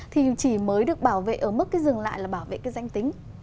thì chỉ mới được bảo vệ ở mức cái dừng lại là bảo vệ cái danh tính